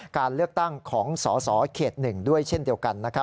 การเลือกตั้งของสสเขต๑ด้วยเช่นเดียวกัน